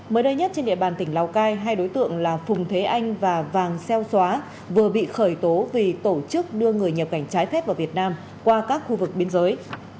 mới đây nhất trên địa bàn tỉnh lào cai hai đối tượng là phùng thế anh và vàng xeo xóa vừa bị khởi tố vì tổ chức đưa người nhập cảnh trái phép vào việt nam qua các khu vực biên giới